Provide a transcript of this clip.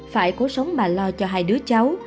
phải cố sống mà lo cho hai đứa cháu